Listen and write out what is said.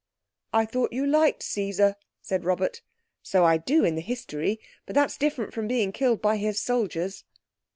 "I thought you liked Caesar," said Robert. "So I do—in the history. But that's different from being killed by his soldiers."